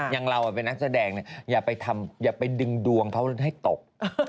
อย่างเราเป็นนักแสดงอย่าไปดึงดวงเขาให้ตก